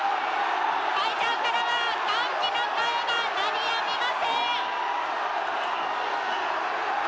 会場からは歓喜の声が鳴りやみません。